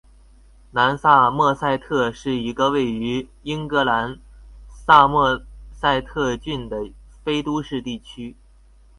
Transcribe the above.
南萨默塞特是一个位于英格兰萨默塞特郡的非都市区。